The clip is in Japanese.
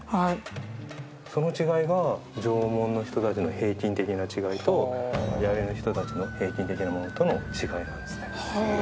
その違いが縄文の人たちの平均的な違いと弥生の人たちの平均的なものとの違いなんですね。